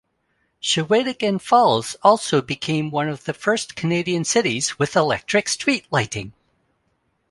Shawinigan Falls also became one of the first Canadian cities with electric street lighting.